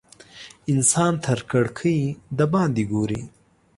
انسان تر کړکۍ د باندې ګوري.